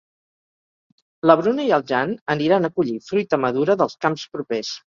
La Bruna i el Jan aniran a collir fruita madura dels camps propers